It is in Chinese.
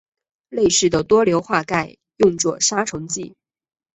类似的多硫化钙用作杀虫剂。